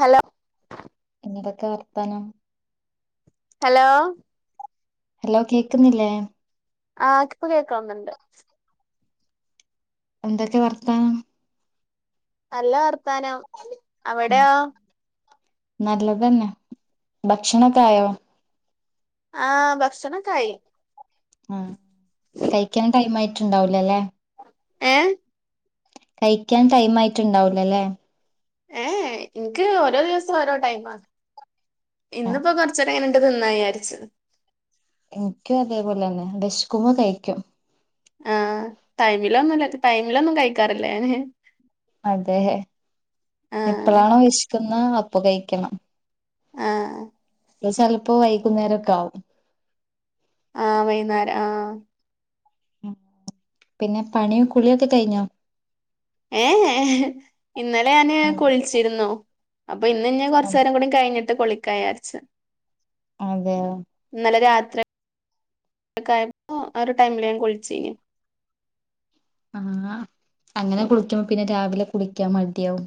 Hello എന്തൊക്കേ വർത്താനം hello hello കേക്കുന്നില്ലേ ആ ഇപ്പ കേക്കന്നണ്ട് എന്തൊക്കെ വർത്താനം നല്ല വർത്താനം ഉം അവടെയോ നല്ലതന്നെ ഭക്ഷണൊക്ക ആയോ? ആഹ് ഭക്ഷണൊക്കെ ആയി ആ കയിക്കാൻ ടൈമായി ട്ടുണ്ടാവില്ലല്ലേ ഏ കയിക്കാൻ ടൈം ആയിട്ടുണ്ടാവൂല ല്ലേ? ഏ ഏ എൻക്ക് ഓരോ ദിവസം ഓരോ ടൈമാ ആഹ് ഇന്നിപ്പോ കൊറച്ചൊക്കെ അങ്ങനെ തിന്നാ വിചാരിച്ച് എനിക്കും അതേപോലെന്നെ വെശക്കുമ്പോ കയിക്കും ആഹ് ടൈമിലൊന്നും അല്ല ടൈമിലൊന്നും കഴിക്കാറില്ല ഞാന്. അതെ ആഹ് എപ്പളാണോ വെശ് ക്കുന്ന അപ്പ കഴിക്കണം ആഹ് [unintelligible] ചെലപ്പോ വൈകുന്നേരൊക്കെ ആവും ആഹ് വൈന്നേരം ആഹ് പിന്നെ പണിയും കുളിയൊക്കെ കഴിഞ്ഞോ? ഏ ഏഹ് ഇന്നലെ ഞാന് ആ, കുൾച്ചിരുന്നു അപ്പ ഇന്ന് ഞാൻ അ- കൊറച്ചേരം കൂടി കഴിഞ്ഞി കൊളിക്കാ ചാരിച്ച് അതെയോ ആയപ്പോ ആ ഒരു ടൈമില് ഞാൻ കുളിച്ചീനി ആഹ് അങ്ങനെ കുളിക്കുമ്പോ പിന്നെ രാവിലെ കുളിക്കാൻ മടിയാവും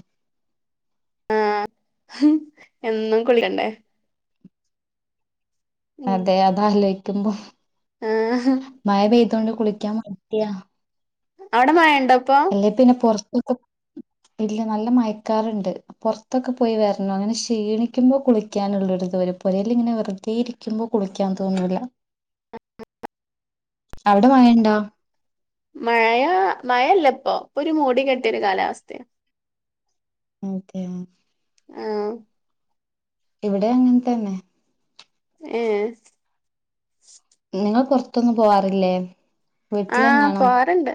എന്നും കുളിക്കണ്ടേ? ഉം അതെ അതാലോ തുമ്പോ ആഹ് മഴ പെയ്തോണ്ട് കുളി ക്കാൻ മട്യാ അവടെ മയണ്ടോ? അല്ലേ പിന്നെ പൊർ [unintelligible] ഇല്ല നല്ല മയക്കാറിണ്ട്, പൊറത്തൊക്കെ പോയി വരണം, അങ്ങനെ ക്ഷീണിക്കുമ്പോ കുളിക്കാനുള്ള ഒരു ഇത് വെരും പൊരേലിങ്ങനെ വെറുതെ ഇരിക്കുമ്പോ കുളിക്കാൻ തോന്നൂല. അവടെ മയണ്ടോ? മഴ മഴ ഇല്ല ഇപ്പൊ ഇപ്പൊ ഒരു മൂടി കെട്ടിയ ഒരു കാലാവസ്ഥയാ. ഓക്കെ ആഹ് ഇവിടേം അങ്ങൻത്തന്നെ ഏ നിങ്ങൾ പൊറത്തൊന്നും പോവാറില്ലേ? ആഹ് വീട്ടിലന്നാണോ പോവാറ്ണ്ട്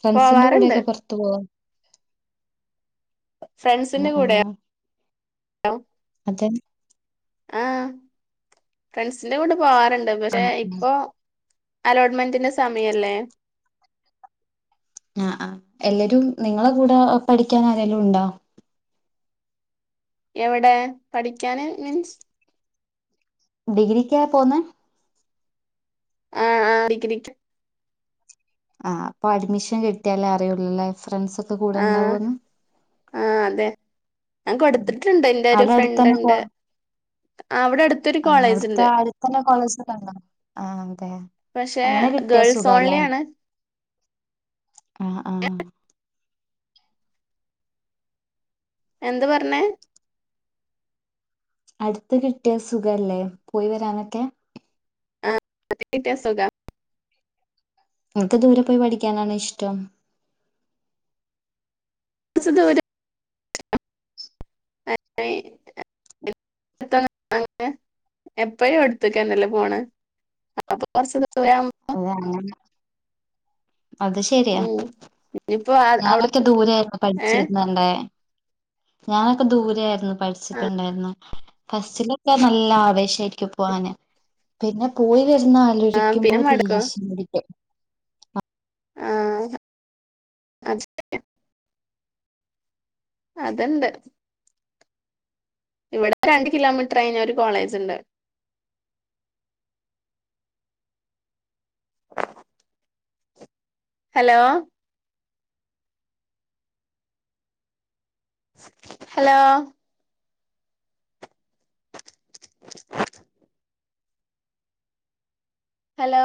ഫ്രണ്ട്സിന്റെ കൂടെക്കെ പുറത്തു പോവാ ആഹ് ഫ്രണ്ട്സ്ന്റെ ആഹ് കൂടെയോ അതെ ആഹ് ഫ്രൻസിന്റെ കൂടെ പോവാർ ഉണ്ട് പക്ഷേ ആഹ് ആഹ് ഇപ്പൊ അലോട്ട്മെന്റിന്റെ സമയല്ലേ അഹ് ആഹ് എല്ലരും നിങ്ങള കൂടെ പഠിക്കാൻ ആരെലുണ്ടോ എവടെ പഠിക്കാന് മീൻസ് ഡിഗ്രിക്കാ പോന്നെ ആഹ് ആഹ് ഡിഗ്രിക്കു ആഹ് അപ്പൊ അഡ്മിഷൻ കിട്ട്യാലെ അറിയൊള്ളുലെ ആഹ് ആഹ് അതെ ഞാൻ കൊട്ത്ത്ട്ട്ണ്ട് ഇന്റെ ഒരു അവിടെ അടുത്തന്നെ പോ ഫ്രണ്ട്ണ്ട് ആഹ് അവിടുത്തെ ആദ്യത്തന്നെ കോളേജ് കണ്ടോ ആഹ് അതെ പക്ഷെ അങ്ങനെ കിട്ടിയ ഗേൾസ് സുഗാലെ ഓൺലി ആണ് ആഹ് ആഹ എന്ത് പറഞ്ഞെ അട്ത്ത് കിട്ടിയ സുഖല്ലേ പോയി വരാനൊക്കെ അടുത്തു കിട്ടിയ സുഖ ങ്ങക്ക് ദൂരെപോയ് പഠിക്കാനാണോ ഇഷ്ടം കുറച്ച്ദൂരം [unintelligible] എപ്പഴും അടുത്ത്ക്കന്നല്ലെ പോണെ അപ്പ കൊറച്ച് ദൂ ഓ അങ്ങനെ അത് ശെരിയാ ഉം ഇനിയിപ്പോ ഞാനൊക്കെ അവിടുത്തെ ദൂരെരുന്നു ഏഹ് പഠിച്ചിരുന്നെന്റെ ഞാനൊക്കെ ദൂരെരുന്നു പഠിച്ചിട്ടുണ്ടാരുന്ന ഫസ്റ്റിലൊക്കെ നല്ല ആവേശാരിക്കു പോവാന് പിന്നെ പോയി ആഹ് വിര്ന്നാലോചിക്കുമ്പോ പിന്നെ മടുക്കോ ദേഷ്യംപിടിക്കും ആ അ [unintelligible] അത്ണ്ട് ഇവിടെ രണ്ട് കിലോമീട്ട്റൈഞ്ഞ ഒരു കോളേജ്ണ്ട് ഹലോ ഹലോ ഹലോ